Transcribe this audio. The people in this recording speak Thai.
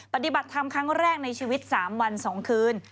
ปฏิบัติธรรมครั้งแรกในชีวิต๓วัน๒คืน